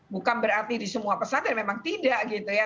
bukan berarti di semua pesantren memang tidak gitu ya